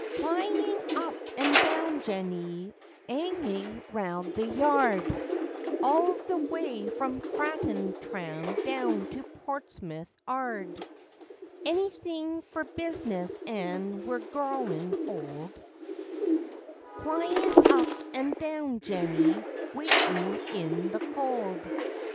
_Plyin' up an' down, Jenny, 'angin' round the Yard, All the way by Fratton tram down to Portsmouth 'Ard; Anythin' for business, an' we're growin' old Plyin' up an' down, Jenny, waitin' in the cold!